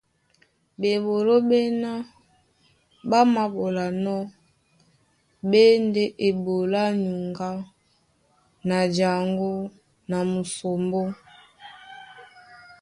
Bɓeɓoló ɓéná ɓá māɓolanɔ́ ɓé e ndé eɓoló á nyuŋgá na jaŋgó na musombó.